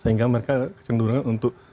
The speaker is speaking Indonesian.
sehingga mereka kecenderungan untuk